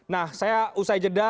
nah saya usai jeda